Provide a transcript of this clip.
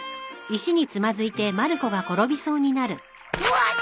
わっ！